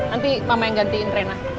nanti mama yang gantiin rena